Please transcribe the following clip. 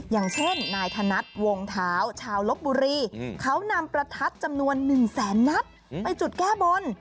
อย่างเช่นนายธนัดวงเท้าชาวลบบุรีเขานำประทัดจำนวน๑แสนนัดไปจุดแก้บน